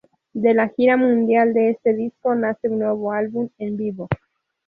De la gira mundial de este disco nace un nuevo álbum en vivo.